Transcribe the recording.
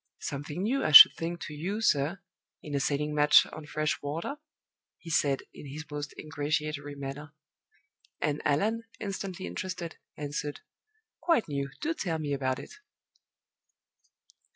"Something new, I should think, to you, sir, in a sailing match on fresh water?" he said, in his most ingratiatory manner. And Allan, instantly interested, answered, "Quite new. Do tell me about it!"